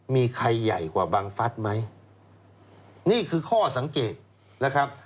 มีใครใหญ่กว่าบังฟัฐไหมนี่คือข้อสังเกตนะครับ